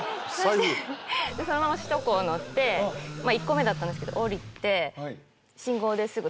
まぁ１個目だったんですけど降りて。